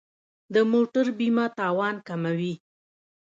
د موټر بیمه تاوان کموي.